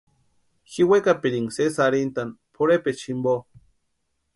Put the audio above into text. Ji wekapirinka sési arhintani pʼorhepecha jimpo.